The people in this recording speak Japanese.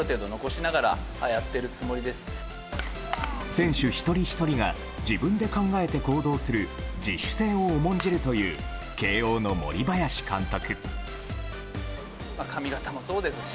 選手一人ひとりが自分で考えて行動する自主性を重んじるという慶應の森林監督。